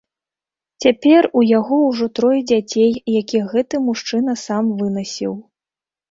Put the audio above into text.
Цяпер у яго ўжо трое дзяцей, якіх гэты мужчына сам вынасіў.